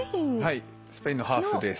はいスペインのハーフです。